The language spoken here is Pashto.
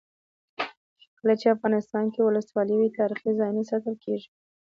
کله چې افغانستان کې ولسواکي وي تاریخي ځایونه ساتل کیږي.